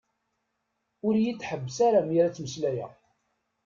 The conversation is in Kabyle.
Ur yi-d-ḥebbes ara mi ara d-ttmeslayeɣ.